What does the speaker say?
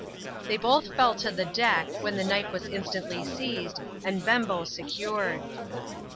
They both fell to the deck, when the knife was instantly seized, and Bembo secured.